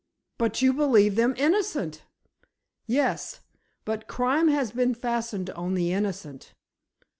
"But you believe them innocent!" "Yes; but crime has been fastened on the innocent."